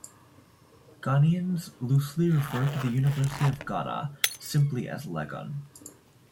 Ghanaians loosely refer to the University of Ghana simply as "Legon".